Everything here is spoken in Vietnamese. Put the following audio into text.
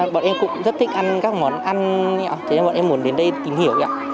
bọn em cũng rất thích ăn các món ăn thế là bọn em muốn đến đây tìm hiểu